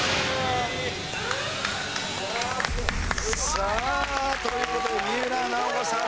さあという事で三浦奈保子さん